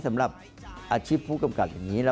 สำหรับอาชีพผู้กำกับอย่างนี้